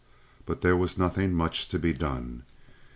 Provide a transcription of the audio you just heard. But there was nothing much to be done.